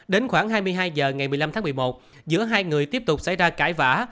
đến khoảng hai mươi hai h ngày một mươi năm tháng một mươi một giữa hai người tiếp tục xảy ra cãi vã